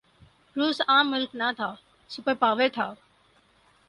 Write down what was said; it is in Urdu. روس عام ملک نہ تھا، سپر پاور تھا۔